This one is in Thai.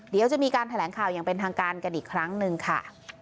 เดี๋ยวจะมีการแถลงข่าวอย่างเป็นทางการกันอีกครั้งหนึ่งค่ะ